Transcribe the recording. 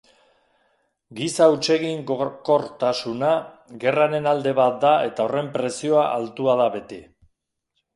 Giza hutseginkortasuna gerraren alde bat da eta horren prezioa altua da beti.